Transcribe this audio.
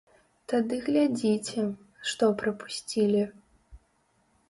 Тады глядзіце, што прапусцілі!